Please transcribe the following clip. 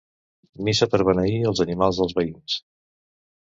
Missa per beneir els animals dels veïns.